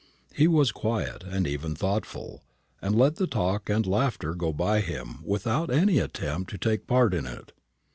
He was quiet, and even thoughtful, and let the talk and laughter go by him without any attempt to take part in it.